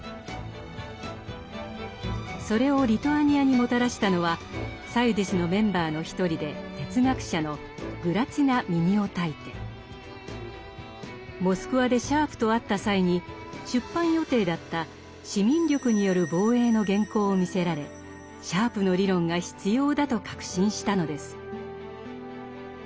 それをリトアニアにもたらしたのはモスクワでシャープと会った際に出版予定だった「市民力による防衛」の原稿を見せられシャープの理論が必要だと確信したのです。